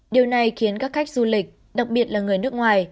điều này khiến các khách du lịch đặc biệt là người nước ngoài